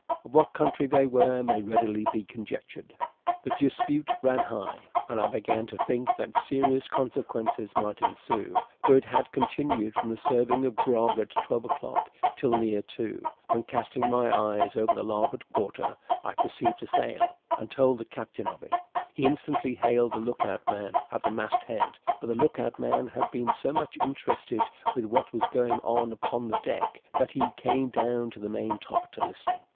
Of what country they were may readily be conjectured. The dispute ran high; and I began to think that serious consequences might ensue, for it had continued from the serving of grog at twelve o'clock till near two; when casting my eyes over the larboard quarter, I perceived a sail, and told the captain of it; he instantly hailed the look out man at the mast head; but the look out man had been so much interested with what was going on upon deck, that he had come down into the main top to listen.